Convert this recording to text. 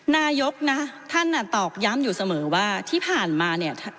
นายกนะท่านตอกย้ำอยู่เสมอว่าที่ผ่านมาเนี่ย